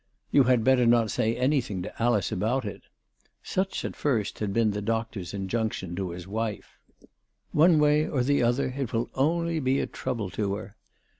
" You had better not say anything to Alice about it." Such nt first had been the doctor's injunction to his wife. " One 404 ALICE DUGDALE. way or the other, it will only be a trouble to her."